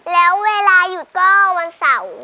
แล้วเวลาหยุดก็วันเสาร์